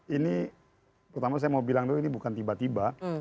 ini pertama saya mau bilang dulu ini bukan tiba tiba